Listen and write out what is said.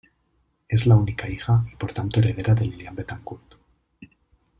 Es la única hija y por tanto heredera de Liliane Bettencourt.